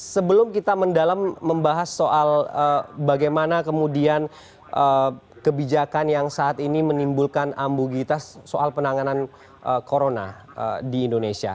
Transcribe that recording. sebelum kita mendalam membahas soal bagaimana kemudian kebijakan yang saat ini menimbulkan ambugitas soal penanganan corona di indonesia